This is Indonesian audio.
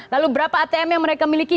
lalu berapa atm yang mereka miliki